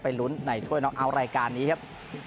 ลุ้นในถ้วยน้องเอาท์รายการนี้ครับ